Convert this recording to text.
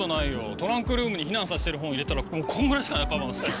トランクルームに避難させてる本を入れたらこんぐらいしかないよ